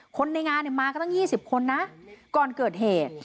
คนในงานมากันตั้ง๒๐คนนะก่อนเกิดเหตุ